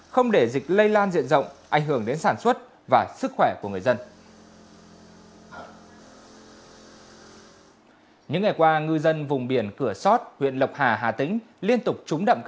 không để dịch lây lan diện rộng ảnh hưởng đến sản xuất và sức khỏe của người dân